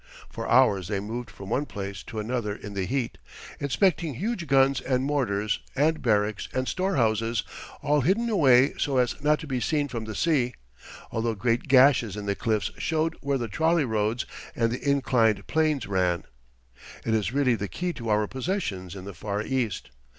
For hours they moved from one place to another in the heat, inspecting huge guns and mortars and barracks and storehouses, all hidden away so as not to be seen from the sea, although great gashes in the cliffs showed where the trolley roads and the inclined planes ran. It is really the key to our possessions in the Far East.